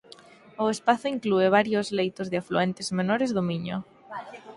O espazo inclúe varios leitos de afluentes menores do Miño.